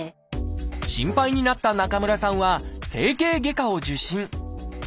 心配になった中村さんは整形外科を受診。